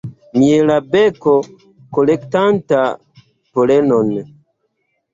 Mielabelo kolektanta polenon.